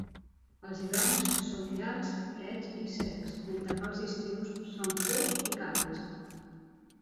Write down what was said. Els hiverns són llargs, freds i secs, mentre que els estius són curts i càlids.